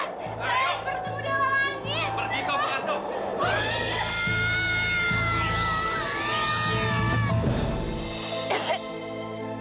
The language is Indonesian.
kau harus bertemu dewa langit